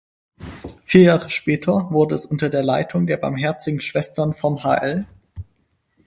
Vier Jahre später wurde es unter der Leitung der Barmherzigen Schwestern vom hl.